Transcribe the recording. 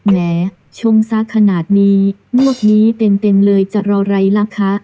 แม้ช่วงซักขนาดนี้งวดนี้เต็มเลยจะรอไรล่ะคะ